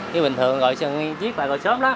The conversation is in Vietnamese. thì bình thường gọi một chiếc là gọi sớm đó